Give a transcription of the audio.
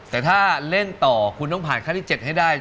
แต่ถ้าเล่นต่อคุณต้องผ่านขั้นที่๗ให้ได้